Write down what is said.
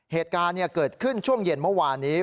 เหตุการณ์เกิดขึ้นช่วงเย็นเมื่อวานนี้